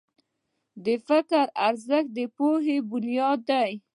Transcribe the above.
د فکر ارزښت د پوهې بنیاد دی.